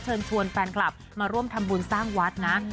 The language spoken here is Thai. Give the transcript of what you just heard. เชิญชวนแฟนคลับมาร่วมทำบุญสร้างวัดนะ